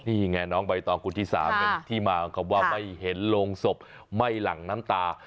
นี่ไงน้องใบตอบกุฏที่๓ที่มาคำว่าไม่เห็นโรงศพไหม้หลังน้ำตา